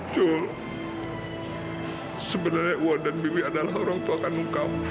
jules sebenarnya wan dan bibi adalah orangtuakanmu